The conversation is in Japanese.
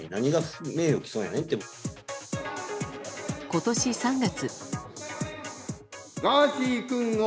今年３月。